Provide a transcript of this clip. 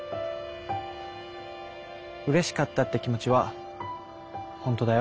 うれしかったって気持ちは本当だよ。